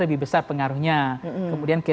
lebih besar pengaruhnya kemudian